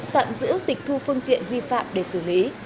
tạm giữ tịch thu phương tiện vi phạm để xử lý